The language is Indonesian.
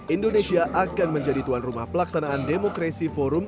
indonesia akan menjadi tuan rumah pelaksanaan demokrasi forum